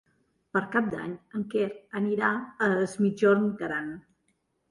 Per Cap d'Any en Quer anirà a Es Migjorn Gran.